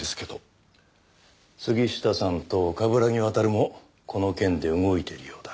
杉下さんと冠城亘もこの件で動いているようだ。